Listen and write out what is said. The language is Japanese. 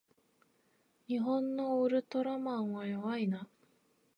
日本のウルトラマンは弱いな